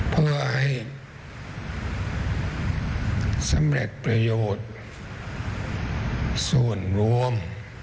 เพื่อให้สำเร็จประโยชน์ส่วนรวม